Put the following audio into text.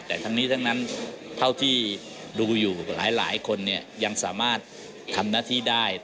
แต่ทั้งนี้ทั้งนั้นเท่าที่ดูอยู่หลายคนเนี่ยยังสามารถทำหน้าที่ได้